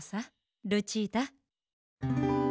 ルチータ。